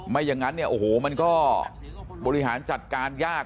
ไม่อย่างนั้นเนี่ยโอ้โหมันก็บริหารจัดการยาก